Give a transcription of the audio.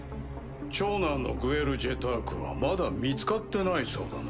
長男のグエル・ジェタークはまだ見つかってないそうだな。